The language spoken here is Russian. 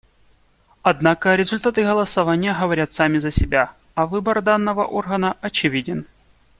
Однако результаты голосования говорят сами за себя, а выбор данного органа очевиден.